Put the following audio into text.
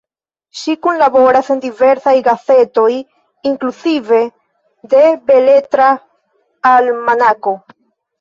Ŝi kunlaboras en diversaj gazetoj, inkluzive de Beletra Almanako.